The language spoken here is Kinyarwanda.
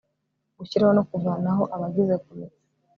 Gushyiraho no kuvanaho abagize Komite